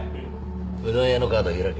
うどん屋のカード開け。